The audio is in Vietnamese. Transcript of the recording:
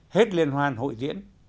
hết liên hoàn hội diễn